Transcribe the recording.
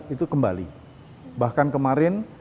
itu kembali bahkan kemarin